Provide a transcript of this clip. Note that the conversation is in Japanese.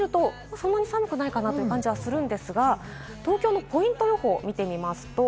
そんなに寒くないかなという感じがするんですが、東京のポイント予報を見てみます。